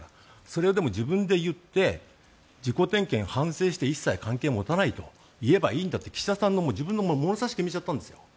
それは自分で言って自己点検、反省して一切関係を持たないと言えばいいんだって岸田さんが自分の物差しで決めちゃったんです。